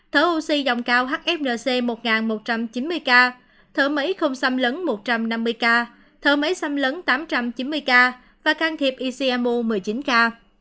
trong cao hfnc một một trăm chín mươi ca thở máy không xăm lấn một trăm năm mươi ca thở máy xăm lấn tám trăm chín mươi ca và can thiệp ecmo một mươi chín ca